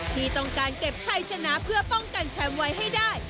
ที่ต้องการเก็บชัยชนะเพื่อป้องกันแชมป์ไว้ให้ได้